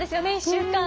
１週間。